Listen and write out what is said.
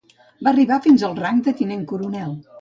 Va arribar fins al rang de tinent coronel.